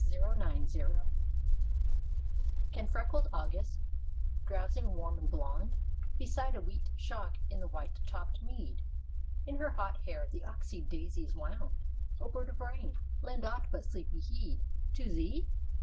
THE RAIN CROW I Can freckled August, drowsing warm and blond Beside a wheat shock in the white topped mead, In her hot hair the oxeyed daisies wound, O bird of rain, lend aught but sleepy heed To thee?